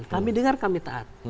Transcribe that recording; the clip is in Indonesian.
kami dengar kami taat